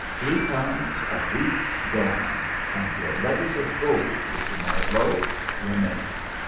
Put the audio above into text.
"Three pounds a week's gone. And your letters of gold, Mr. Martlow, remain."